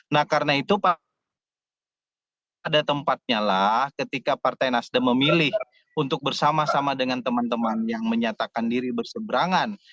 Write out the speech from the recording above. nah karena itu ada tempatnya lah ketika partai nasdem memilih untuk bersama sama dengan teman teman yang menyatakan diri berseberangan